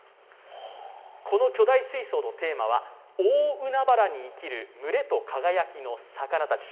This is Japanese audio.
この巨大水槽のテーマは「大海原に生きる群れと輝きの魚たち」。